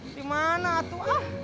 di mana atu